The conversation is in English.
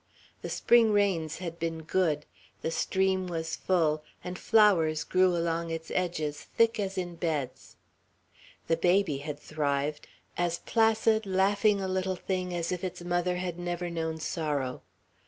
The spring rains had been good; the stream was full, and flowers grew along its edges thick as in beds. The baby had thrived; as placid, laughing a little thing as if its mother had never known sorrow.